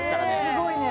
すごいね。